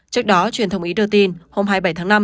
trước đó truyền thông ý đưa tin hôm hai mươi bảy tháng năm